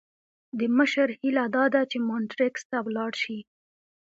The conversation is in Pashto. د مشر هیله داده چې مونټریکس ته ولاړ شي.